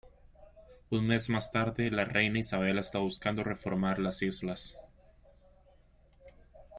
Un mes más tarde, la Reina Isabella está buscando reformar las islas.